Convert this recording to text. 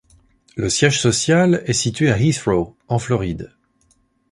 Le siège social est situé à Heathrow, en Floride.